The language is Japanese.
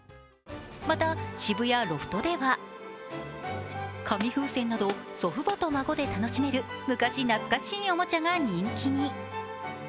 また渋谷ロフトでは紙風船など祖父母と孫で楽しめる、昔懐かしいおもちゃが人気に。